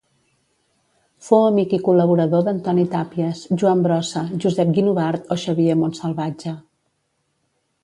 Fou amic i col·laborador d'Antoni Tàpies, Joan Brossa, Josep Guinovart o Xavier Montsalvatge.